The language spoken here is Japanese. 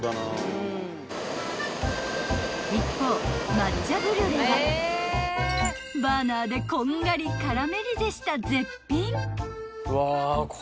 ［一方抹茶ブリュレはバーナーでこんがりカラメリゼした絶品］